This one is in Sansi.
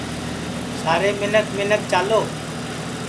سارے منکھ منکھ چالو